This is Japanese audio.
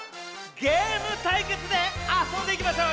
ゲームたいけつ」であそんでいきましょう！